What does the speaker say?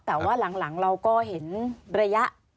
แต่ว่าหลังเราก็เห็นระยะ